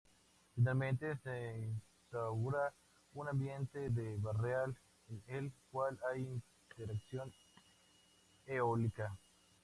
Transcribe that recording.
Finalmente, se instaura un ambiente de barreal, en el cual hay interacción eólica.